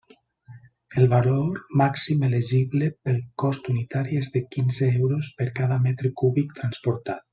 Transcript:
El valor màxim elegible pel cost unitari és de quinze euros per cada metre cúbic transportat.